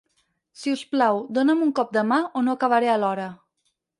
Si us plau, dóna'm un cop de mà o no acabaré a l'hora.